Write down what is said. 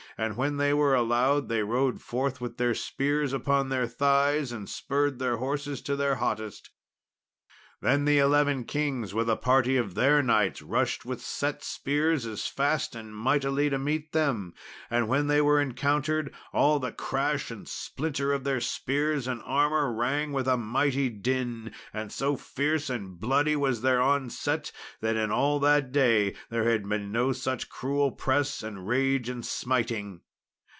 And when they were allowed, they rode forth with their spears upon their thighs, and spurred their horses to their hottest. Then the eleven kings, with a party of their knights, rushed with set spears as fast and mightily to meet them; and when they were encountered, all the crash and splinter of their spears and armour rang with a mighty din, and so fierce and bloody was their onset that in all that day there had been no such cruel press, and rage, and smiting.